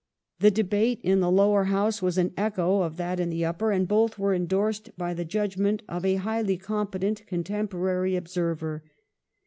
The debate in the Lower House was an echo of that in the Upper, and both were endorsed by the judgment of a highly competent contemporary observer.